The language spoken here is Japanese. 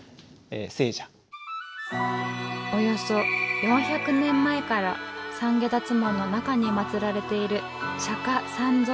およそ４００年前から三解脱門の中にまつられている釈迦三尊像。